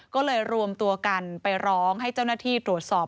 ก็เลยรวมตัวกันไปร้องให้เจ้าหน้าที่ตรวจสอบ